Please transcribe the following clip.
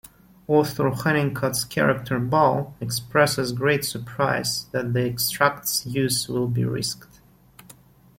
Arthur Hunnicutt's character Bull expresses great surprise that the extract's use will be risked.